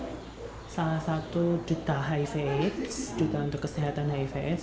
sebelum ikut wangkas saya adalah salah satu duta hiv aids duta untuk kesehatan hiv aids